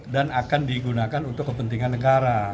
akan digunakan untuk kepentingan negara